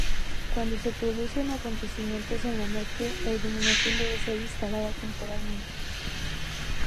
Cuando se producen acontecimientos en la noche, la iluminación debe ser instalada temporalmente.